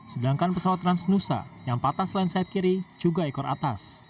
sedangkan pesawat transnusa yang patah selain set kiri juga ekor atas